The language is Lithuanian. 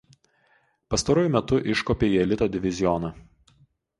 Pastaruoju metu iškopė į elito divizioną.